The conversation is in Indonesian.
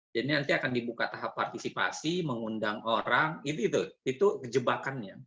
jadi nanti akan dibuka tahap partisipasi mengundang orang itu kejebakannya